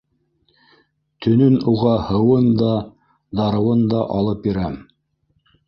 Төнөн уға һыуын да, дарыуын да алып бирәм.